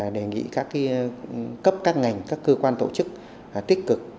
đề nghị các cấp các ngành các cơ quan tổ chức tích cực